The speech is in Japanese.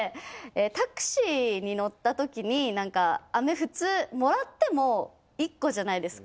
タクシーに乗ったときになんか飴普通もらっても１個じゃないですか？